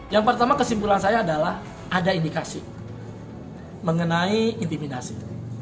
yang pertama kesimpulan saya adalah ada indikasi mengenai intimidasi